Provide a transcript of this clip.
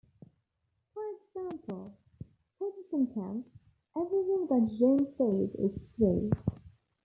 For example, take the sentence "Everything that John says is true".